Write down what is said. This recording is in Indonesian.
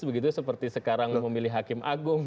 begitu seperti sekarang memilih hakim agung